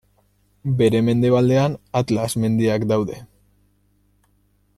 Bere mendebaldean Atlas mendiak daude.